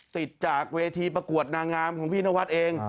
ติดจากเวทีประกวดนางงามของพี่นวัดเอง